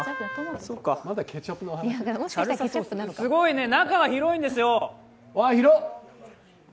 すごい中が広いんですよ。